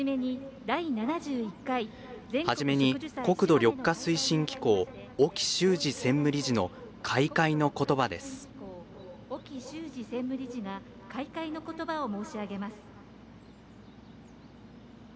初めに、国土緑化推進機構沖修司専務理事の開会のことばです。